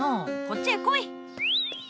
こっちへ来い！